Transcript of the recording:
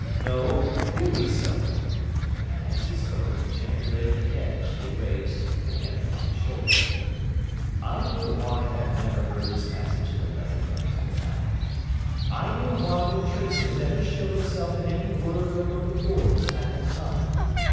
—'No. Hear me so!'—and as he spoke, he gently laid the head she had raised, again upon his shoulder. 'I know why I have never heard this passage in the letter, until now. I know why no trace of it ever showed itself in any word or look of yours at that time.